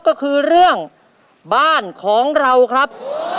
ก็คือเรื่องบ้านของเราครับ